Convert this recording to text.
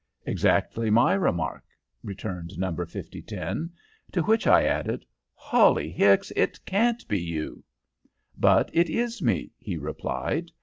"Exactly my remark," returned Number 5010. "To which I added, 'Hawley Hicks, it can't be you!' "'But it is me,' he replied.